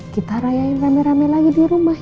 kita rayain rame rame lagi di rumah